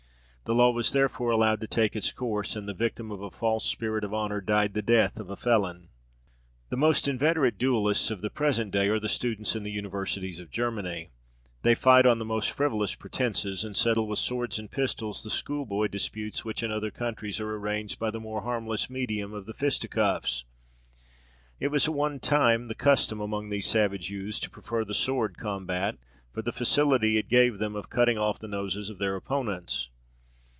The law was therefore allowed to take its course, and the victim of a false spirit of honour died the death of a felon. The most inveterate duellists of the present day are the students in the Universities of Germany. They fight on the most frivolous pretences, and settle with swords and pistols the schoolboy disputes which in other countries are arranged by the more harmless medium of the fisticuffs. It was at one time the custom among these savage youths to prefer the sword combat, for the facility it gave them of cutting off the noses of their opponents.